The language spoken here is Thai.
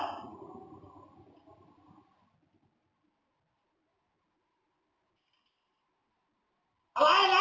นไปฟะ